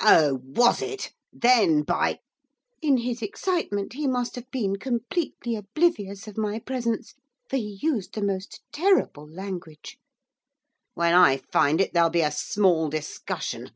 'Oh, was it? Then, by ' in his excitement he must have been completely oblivious of my presence, for he used the most terrible language, 'when I find it there'll be a small discussion.